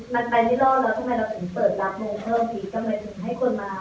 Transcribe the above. มันไปไม่รอดแล้วทำไมเราถึงเปิดรับโมงเท่านี้ทำไมถึงให้คนมา